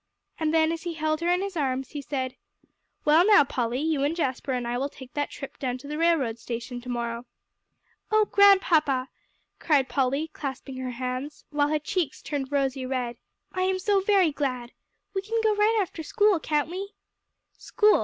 And then as he held her in his arms, he said, "Well, now, Polly, you and Jasper and I will take that trip down to the railroad station to morrow." "Oh, Grandpapa!" cried Polly, clasping her hands, while her cheeks turned rosy red, "I am so very glad. We can go right after school, can't we?" "School?